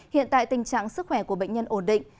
hiện tại tình trạng sức khỏe của bệnh nhân ổn định